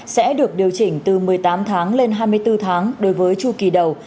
sẽ được điều chỉnh từ một mươi tám tháng lên hai mươi bốn tháng đối với chu kỳ đầu